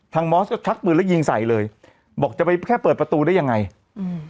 มอสก็ชักปืนแล้วยิงใส่เลยบอกจะไปแค่เปิดประตูได้ยังไงอืม